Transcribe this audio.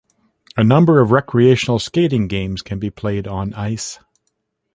A number of recreational skating games can be played on ice.